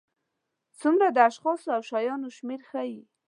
څومره د اشخاصو او شیانو شمېر ښيي.